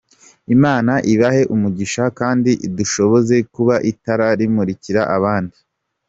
Imana ibahe umugisha kandi idushoboze kuba itara rimurikira abandi.